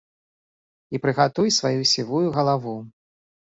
І прыгатуй сваю сівую галаву.